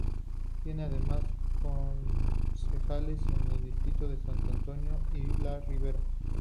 Tiene además concejales en los distritos de San Antonio y La Ribera.